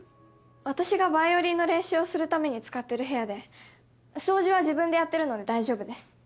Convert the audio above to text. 私がバイオリンの練習をするために使っている部屋で掃除は自分でやっているので大丈夫です。